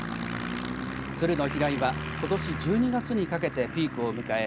ツルの飛来はことし１２月にかけてピークを迎え